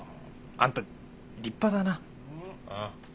あんた立派だな。